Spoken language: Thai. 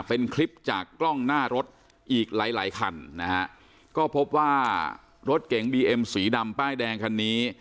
เป็นคลิปจากกล้องหน้ารถอีกหลายหลายคันนะฮะก็พบว่ารถเก๋งบีเอ็มสีดำป้ายแดงคันนี้